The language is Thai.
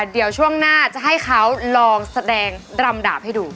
เดี๋ยวช่วงหน้าจะให้เขาลองแสดงรำดาบให้ดู